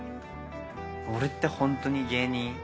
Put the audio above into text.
俺ってホントに芸人？